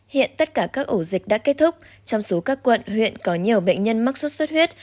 hiện tất cả các ổ dịch đã kết thúc trong số các quận huyện có nhiều bệnh nhân mắc sốt xuất huyết